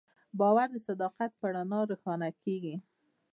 باور د صداقت په رڼا روښانه کېږي.